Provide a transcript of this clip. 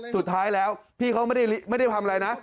สุดท้ายแล้วพี่เขาไม่ได้ทำอะไรนะ